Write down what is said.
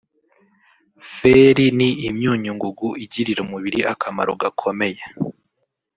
”feri ni imyunyungugu igirira umubiri akamaro gakomeye